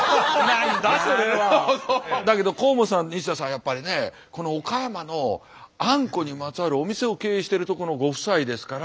やっぱりねこの岡山のあんこにまつわるお店を経営してるとこのご夫妻ですから。